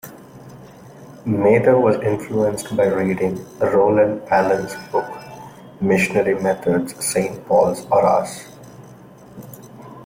Mather was influenced by reading Roland Allen's book, Missionary Methods: Saint Paul's or Ours?